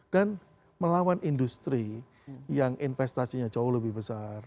dan melawan industri yang investasinya jauh lebih besar